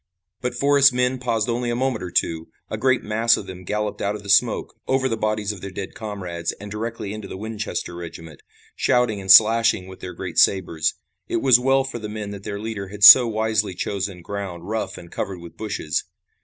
But Forrest's men paused only a moment or two. A great mass of them galloped out of the smoke, over the bodies of their dead comrades and directly into the Winchester regiment, shouting and slashing with their great sabers. It was well for the men that their leader had so wisely chosen ground rough and covered with bushes.